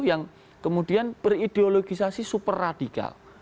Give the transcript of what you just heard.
yang kemudian berideologisasi super radikal